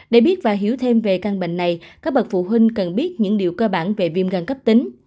để biết và hiểu thêm về căn bệnh này các bậc phụ huynh cần biết những điều cơ bản về viêm gan cấp tính